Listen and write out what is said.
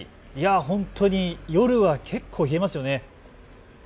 本当に夜は結構、冷えますよね。